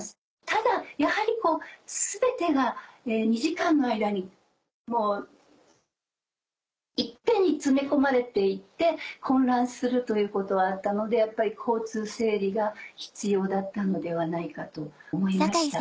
ただやはり全てが２時間の間に一遍に詰め込まれて行って混乱するということはあったのでやっぱり交通整理が必要だったのではないかと思いました。